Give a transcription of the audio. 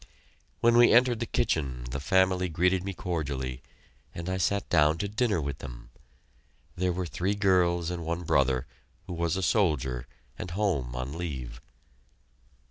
When we entered the kitchen, the family greeted me cordially, and I sat down to dinner with them. There were three girls and one brother, who was a soldier and home on leave.